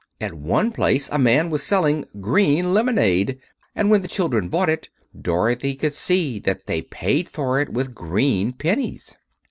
At one place a man was selling green lemonade, and when the children bought it Dorothy could see that they paid for it with green pennies.